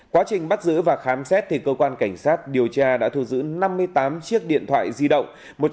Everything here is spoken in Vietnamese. quá trình bắt giữ và khám xét thì cơ quan cảnh sát điều tra đã thu giữ năm mươi tám chiếc điện thoại di động